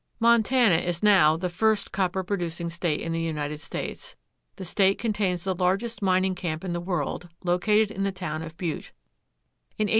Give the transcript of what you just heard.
Montana is now the first copper producing state in the United States. The state contains the largest mining camp in the world, located in the town of Butte.